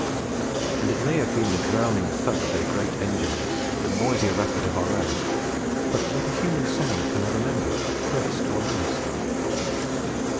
And it may have been the drowning thud of their great engines, the noisier racket of our own but not a human sound can I remember first or last.